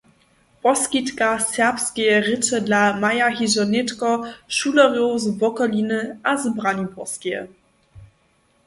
Poskitka serbskeje rěče dla maja hižo nětko šulerjow z wokoliny a z Braniborskeje.